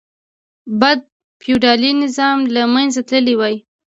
باید فیوډالي نظام له منځه تللی وای.